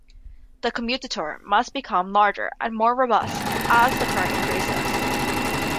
The commutator must become larger and more robust as the current increases.